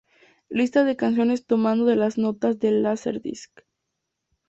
Lista de canciones tomado de las notas del Laserdisc.